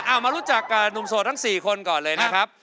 มารู้จักกับหนุ่มโสดทั้ง๔คนก่อนเลยนะครับ